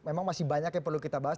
memang masih banyak yang perlu kita bahas